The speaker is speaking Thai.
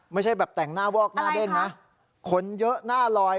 ไม่ใช่แบบแต่งหน้าวอกหน้าเด้งนะคนเยอะหน้าลอย